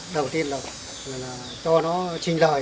đầu tiên là cho nó sinh lời